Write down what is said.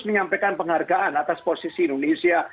menyampaikan penghargaan atas posisi indonesia